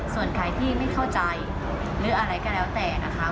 ส่วนใครที่ไม่เข้าใจหรืออะไรก็แล้วแต่นะคะ